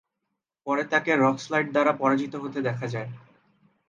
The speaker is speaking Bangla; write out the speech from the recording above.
পরে তাকে রকস্লাইড দ্বারা পরাজিত হতে দেখা যায়।